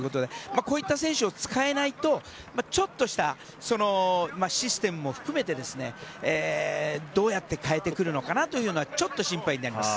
こういった選手を使えないとちょっとしたシステムも含めてどうやって変えてくるのかなというような心配点があります。